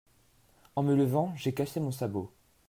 En me levant, j’ai cassé mon sabot.